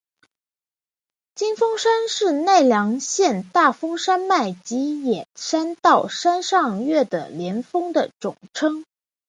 金峰山是奈良县大峰山脉吉野山到山上岳的连峰的总称。